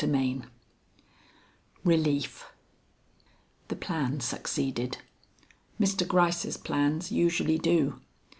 XXXII RELIEF The plan succeeded. Mr. Gryce's plans usually do.